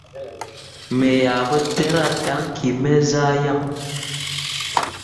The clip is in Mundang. Me ah mu ɗerah daŋki me zah yan.